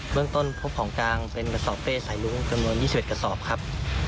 เบื้องต้นพบของกลางเป็นกระสอบเป้สายรุ้งจนรวมยี่สิบเอ็ดกระสอบครับ